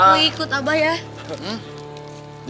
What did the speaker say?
aku ikut abah ya